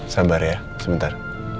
sabar ya sebentar